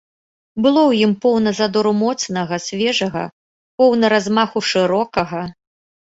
Было ў ім поўна задору моцнага, свежага, поўна размаху шырокага.